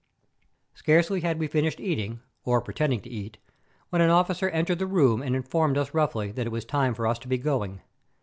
Scarcely had we finished eating, or pretending to eat, when an officer entered the room and informed us roughly that it was time for us to be going.